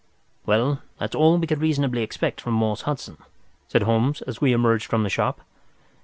"Well, that's all we could reasonably expect from Morse Hudson," said Holmes, as we emerged from the shop.